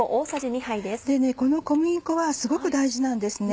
この小麦粉はすごく大事なんですね。